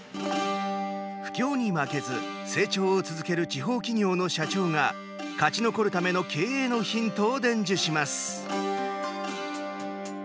不況に負けず成長を続ける地方企業の社長が勝ち残るための経営のヒントを伝授します。